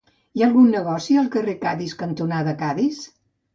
Hi ha algun negoci al carrer Cadis cantonada Cadis?